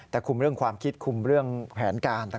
แต่คุมเรื่องความคิดคุมเรื่องแผนการต่าง